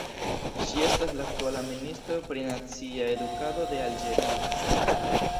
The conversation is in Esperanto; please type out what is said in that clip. Ŝi estas la aktuala ministro pri nacia edukado de Alĝerio.